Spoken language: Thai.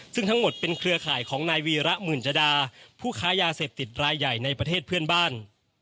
ซึ่งทั้งหมดเป็นเครือข่ายของนายวีระหมื่นจดาผู้ค้ายาเสพติดรายใหญ่ในประเทศเพื่อนบ้าน